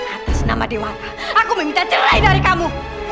atas nama dewata aku meminta cerai dari kamu